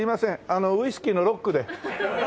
あのウイスキーのロックで。